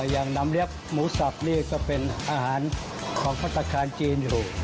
อย่างน้ำเรียบหมูสับนี่ก็เป็นอาหารของพัฒนาการจีนอยู่